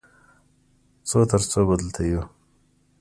څو تر څو به دلته یو؟